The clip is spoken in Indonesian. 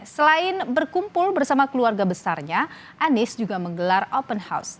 selain berkumpul bersama keluarga besarnya anies juga menggelar open house